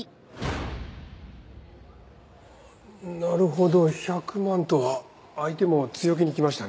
なるほど１００万とは相手も強気に来ましたね。